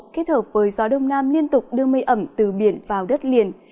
kết hợp với gió đông nam liên tục đưa mây ẩm từ biển vào đất liền